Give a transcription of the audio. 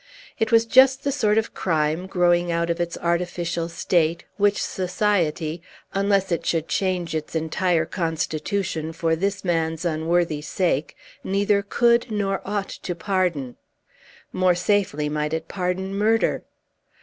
It was just the sort of crime, growing out of its artificial state, which society (unless it should change its entire constitution for this man's unworthy sake) neither could nor ought to pardon. More safely might it pardon murder.